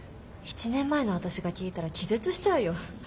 １年前の私が聞いたら気絶しちゃうよ。